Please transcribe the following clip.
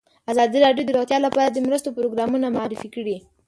ازادي راډیو د روغتیا لپاره د مرستو پروګرامونه معرفي کړي.